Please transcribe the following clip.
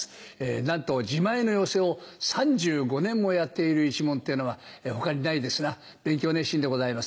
なんと自前の寄席を３５年もやっている一門ってのは他にないですな勉強熱心でございます。